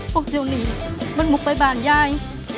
พวกจะหนีมันมุกไปบ่านยาย